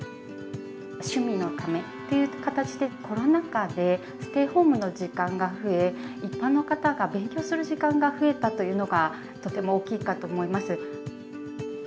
趣味のためっていう形でコロナ禍でステイホームの時間が増え、一般の方が勉強する時間が増えたというのが、とても大きいかと思います。